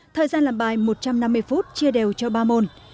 thời gian làm bài một trăm năm mươi phút chia đều cho ba môn